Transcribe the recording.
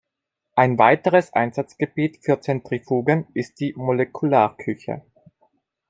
Ein weiteres Einsatzgebiet für Zentrifugen ist die Molekularküche.